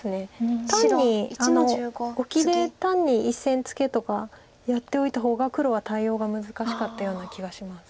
オキで単に１線ツケとかやっておいた方が黒は対応が難しかったような気がします。